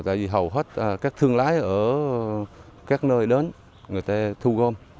tại vì hầu hết các thương lái ở các nơi đến người ta thu gom